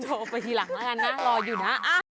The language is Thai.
โทรไปทีหลังแล้วกันนะรออยู่นะ